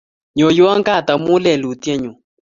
Nyoiwon kaat amun lelutyennyu